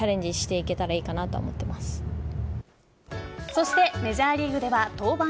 そしてメジャーリーグでは登板